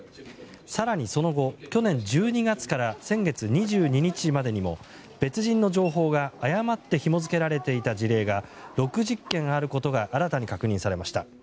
更にその後、去年１２月から先月２２日までにも別人の情報が誤ってひも付けられていた事例が６０件あることが新たに確認されました。